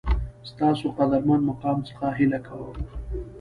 ستاسو قدرمن مقام څخه هیله کوم